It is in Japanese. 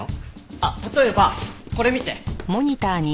あっ例えばこれ見て。